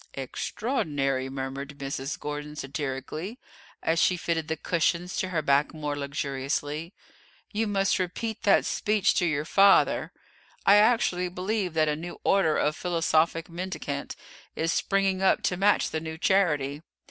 "Extraordinary!" murmured Mrs. Gordon satirically, as she fitted the cushions to her back more luxuriously; "you must repeat that speech to your father. I actually believe that a new order of philosophic mendicant is springing up to match the new charity.